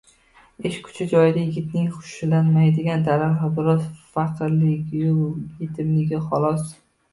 ishi- kuchi joyida yigitning xushlanmaydigan tarafi biroz faqirligiyu, yetimligi, xolos.